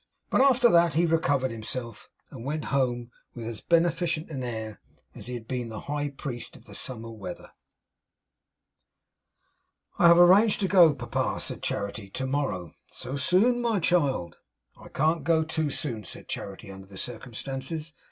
But after that, he recovered himself, and went home with as beneficent an air as if he had been the High Priest of the summer weather. 'I have arranged to go, Papa,' said Charity, 'to morrow.' 'So soon, my child!' 'I can't go too soon,' said Charity, 'under the circumstances.